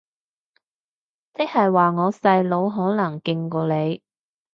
即係話我細佬可能勁過你